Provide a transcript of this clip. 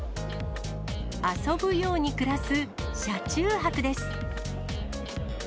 遊ぶように暮らす車中泊です。